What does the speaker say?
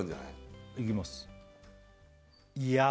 いきます